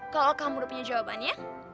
kalau kamu udah punya jawabannya